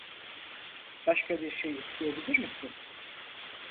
Başka bir şey isteyebilir misin?